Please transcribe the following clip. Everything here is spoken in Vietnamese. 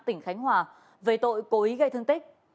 tỉnh khánh hòa về tội cố ý gây thương tích